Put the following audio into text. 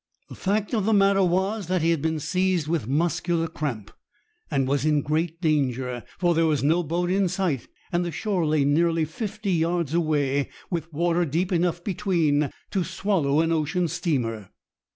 The fact of the matter was that he had been seized with muscular cramp, and was in great danger, for there was no boat in sight, and the shore lay nearly fifty yards away, with water deep enough between to swallow an ocean steamer.